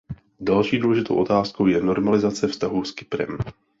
Další důležitou otázkou je normalizace vztahů s Kyprem.